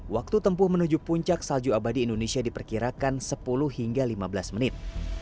waktu tempuh menuju puncak salju abadi indonesia diperkirakan sepuluh hingga lima belas menit